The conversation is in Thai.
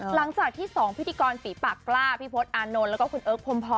หลังจากที่๒พิธีกรฝีปากกล้าพี่พศอานนท์แล้วก็คุณเอิร์กพรมพร